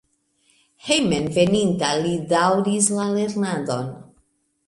Hejmenveninta li daŭris la lernadon.